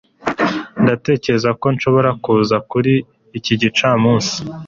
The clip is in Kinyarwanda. ndatekereza ko nshobora kuza kuri iki gicamunsi